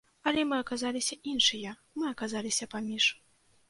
Але мы аказаліся іншыя, мы аказаліся паміж.